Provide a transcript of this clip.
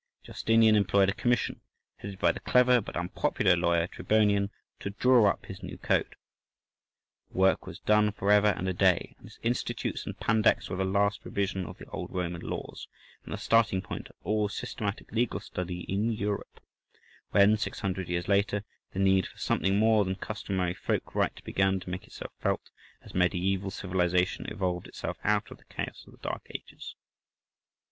Justinian employed a commission, headed by the clever but unpopular lawyer Tribonian, to draw up his new code. The work was done for ever and a day, and his "Institutes" and "Pandects" were the last revision of the Old Roman laws, and the starting point of all systematic legal study in Europe, when, six hundred years later, the need for something more than customary folk right began to make itself felt, as mediæval civilization evolved itself out of the chaos of the dark ages.